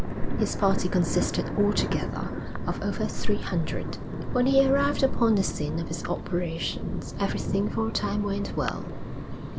His party consisted altogether of over three hundred. When he arrived upon the scene of his operations, everything for a time went well.